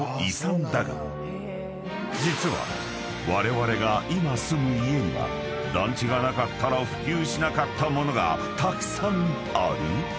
［実はわれわれが今住む家には団地がなかったら普及しなかったものがたくさんある？］